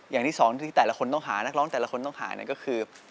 อย่างที่สองที่แต่ละคนต้องหาก